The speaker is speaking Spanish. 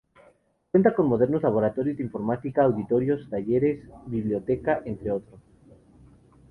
Cuenta con modernos laboratorios de informática, auditorio, talleres, biblioteca, entre otros.